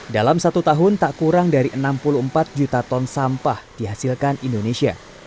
dalam satu tahun tak kurang dari enam puluh empat juta ton sampah dihasilkan indonesia